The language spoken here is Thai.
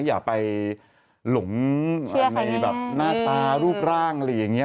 อย่าไปหลงในแบบหน้าตารูปร่างอะไรอย่างนี้